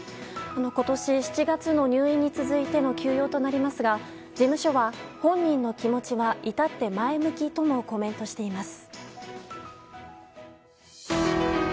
今年７月の入院に続いての休養となりますが事務所は本人の気持ちは至って前向きともコメントしています。